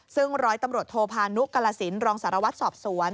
ซึ่งร้อยตำรวจโทพานุกรสินรองสารวัตรสอบสวน